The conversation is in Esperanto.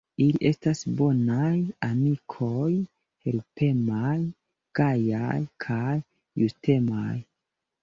Ili estas bonaj amikoj, helpemaj, gajaj kaj justemaj.